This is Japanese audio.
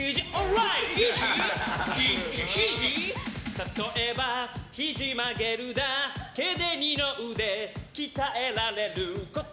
例えば、ひじ曲げるだけで二の腕、鍛えられること！